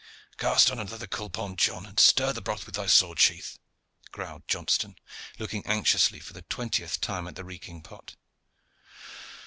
"Cast on another culpon, John, and stir the broth with thy sword sheath," growled Johnston, looking anxiously for the twentieth time at the reeking pot.